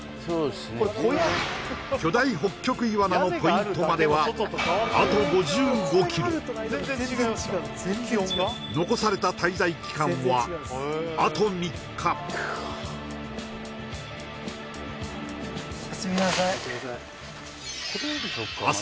巨大ホッキョクイワナのポイントまではあと５５ｋｍ残された滞在期間はあと３日おやすみなさい明日